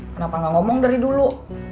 kenapa gak ngomong dari dulu